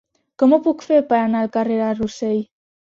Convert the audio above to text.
Com ho puc fer per anar al carrer de Rossell?